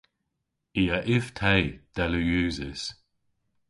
I a yv te, dell yw usys.